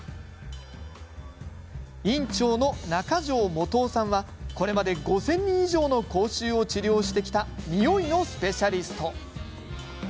院長の中城基雄さんはこれまで５０００人以上の口臭を治療してきたにおいのスペシャリスト。